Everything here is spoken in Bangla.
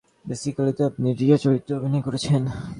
বেসিক আলীতে আপনি রিয়া চরিত্রে অভিনয় করেছেন?